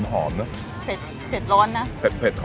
คนที่มาทานอย่างเงี้ยควรจะมาทานแบบคนเดียวนะครับ